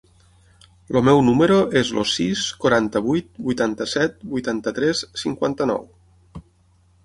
El meu número es el sis, quaranta-vuit, vuitanta-set, vuitanta-tres, cinquanta-nou.